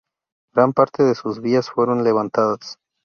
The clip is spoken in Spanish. Gran parte de sus vías fueron levantadas.